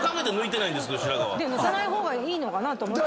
抜かない方がいいのかなと。